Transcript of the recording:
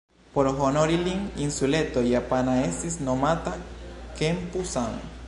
Por honori lin, insuleto japana estis nomata Kempu-san.